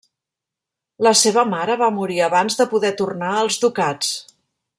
La seva mare va morir abans de poder tornar als ducats.